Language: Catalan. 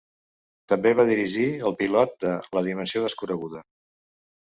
També va dirigir el pilot de "La Dimensió Desconeguda".